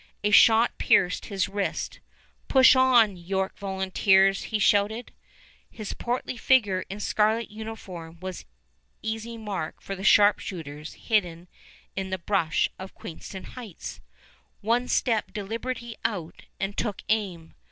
A shot pierced his wrist. "Push on, York volunteers," he shouted. His portly figure in scarlet uniform was easy mark for the sharpshooters hidden in the brush of Queenston Heights. One stepped deliberately out and took aim.